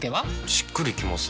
しっくりきません。